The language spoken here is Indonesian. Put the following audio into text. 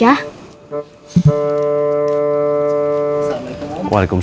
bapak mau ketemu sama bu guruyolo